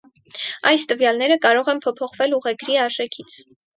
Այս տվյալները կարող են փոփոխվել ուղեգրի արժեքից։